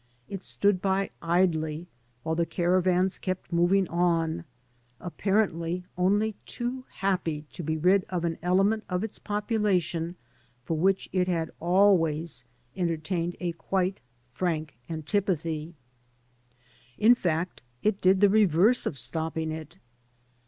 It stood by idly while the caravans kept moving on, apparently only too happy to be rid of an element of its poptdation for which it had always entertained a quite frank antipathy. In fact, it did the reverse of stopping it.